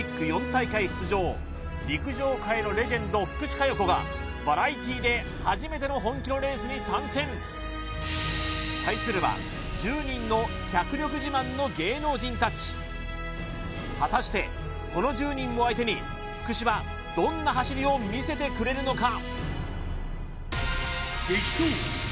大会出場陸上界のレジェンド福士加代子がバラエティで初めての本気のレースに参戦対するは１０人の脚力自慢の芸能人達果たしてこの１０人を相手に福士はどんな走りをみせてくれるのか？